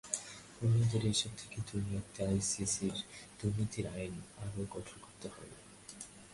অন্যদের এসব থেকে দূরে রাখতে আইসিসির দুর্নীতিবিরোধী আইন আরও কঠোর করতে হবে।